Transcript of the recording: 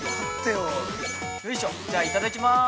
よいしょっ、じゃあいただきます。